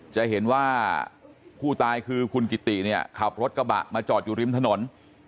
จะเห็นว่าผู้ตายคือคุณกิติเนี่ยขับรถกระบะมาจอดอยู่ริมถนน